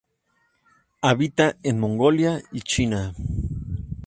Habita en Mongolia y China.